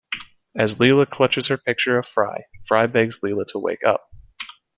As Leela clutches her picture of Fry, Fry begs Leela to wake up.